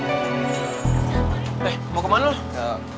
eh mau kemana lo